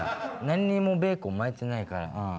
何にもベーコン巻いてないから。